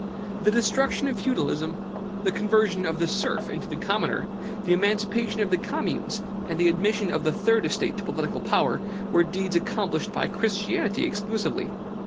The destruction of feudalism, the conversion of the serf into the commoner, the emancipation of the communes, and the admission of the Third Estate to political power, were deeds accomplished by Christianity exclusively.